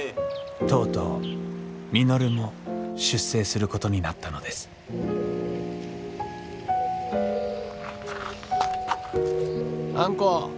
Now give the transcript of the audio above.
とうとう稔も出征することになったのですあんこ。